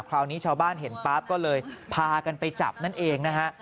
คราวนี้ชาวบ้านเห็นปั๊บก็เลยพากันไปจับนั่นเองนะฮะ